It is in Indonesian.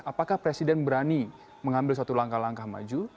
apakah presiden berani mengambil satu langkah langkah maju